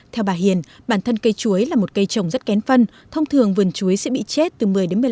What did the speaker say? theo bà hiền bản thân cây chuối là một cây trồng rất kén phân thông thường vườn chuối sẽ bị chết từ một mươi một mươi năm